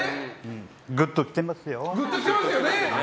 グッときてますよね！